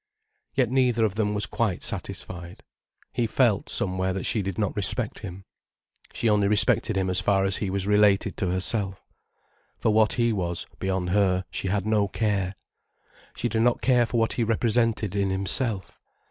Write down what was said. Yet neither of them was quite satisfied. He felt, somewhere, that she did not respect him. She only respected him as far as he was related to herself. For what he was, beyond her, she had no care. She did not care for what he represented in himself.